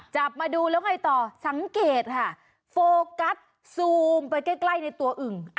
จับมาดูแล้วไงต่อสังเกตค่ะโฟกัสซูมไปใกล้ในตัวอึ่ง